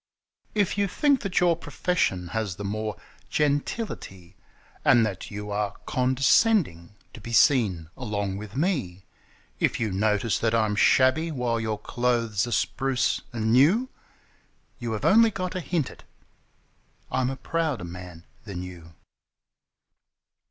If you think that your profession has the more gentility, And that you are condescending to be seen along with me; If you notice that I'm shabby while your clothes are spruce and new — You have only got to hint it: I'm a prouder man than you!